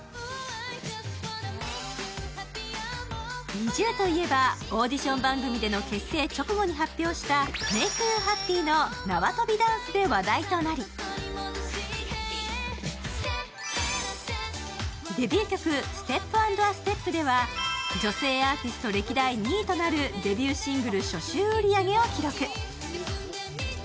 ＮｉｚｉＵといえばオーディション番組での結成直後に発表した「Ｍａｋｅｙｏｕｈａｐｐｙ」の縄跳びダンスで話題となり、デビュー曲「Ｓｔｅｐａｎｄａｓｔｅｐ」では女性アーティスト歴代２位となるデビューシングル初週売り上げを記録。